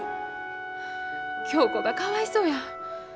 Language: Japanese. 恭子がかわいそうや。